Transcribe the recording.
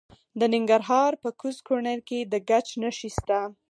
د ننګرهار په کوز کونړ کې د ګچ نښې شته.